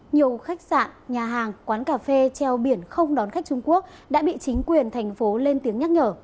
nhiều khách sạn nhà hàng quán cà phê treo biển không đón khách trung quốc đã bị chính quyền thành phố lên tiếng nhắc nhở